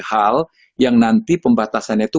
hal yang nanti pembatasannya itu